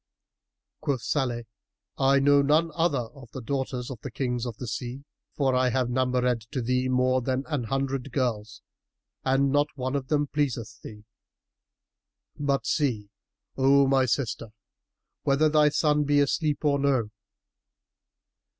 [FN#319] Quoth Salih, "I know none other of the daughters of the Kings of the sea, for I have numbered to thee more than an hundred girls and not one of them pleaseth thee: but see, O my sister, whether thy son be asleep or no."